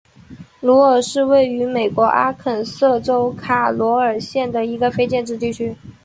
鲁尔是位于美国阿肯色州卡罗尔县的一个非建制地区。